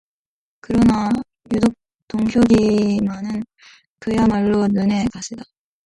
그러나 유독 동혁이만은 그야말로 눈의 가시다.